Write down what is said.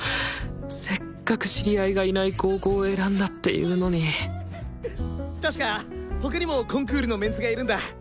せっかく知り合いがいない高校を選んだっていうのにたしか他にもコンクールのメンツがいるんだ。